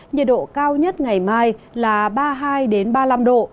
nhiệt độ cao nhất ngày mai là ba mươi hai ba mươi năm độ